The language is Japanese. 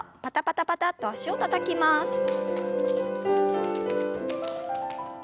パタパタパタッと脚をたたきます。